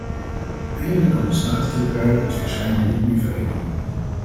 Eindelijk kan de staatsdrukkerij ons verschijnen niet meer verhinderen.